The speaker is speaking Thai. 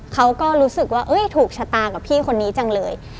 เขาก็รู้สึกว่าถูกชะตากับพี่คนนี้จังเลย